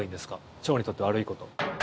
腸にとって悪いこと。